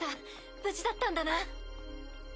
無事だったんだな。